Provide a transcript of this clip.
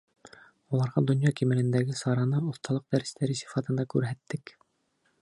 Уларға донъя кимәлендәге сараны оҫталыҡ дәрестәре сифатында күрһәттек.